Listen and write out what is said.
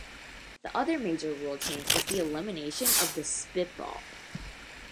The other major rule change was the elimination of the spitball.